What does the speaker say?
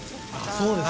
そうです